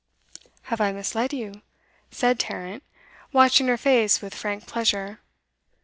'Have I misled you?' said Tarrant, watching her face with frank pleasure.